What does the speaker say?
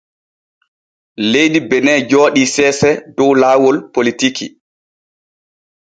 Leydi Benin jooɗi seese dow laawol politiiki.